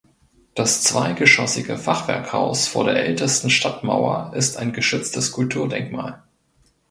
Das zweigeschossige Fachwerkhaus vor der ältesten Stadtmauer ist ein geschütztes Kulturdenkmal.